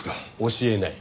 教えない。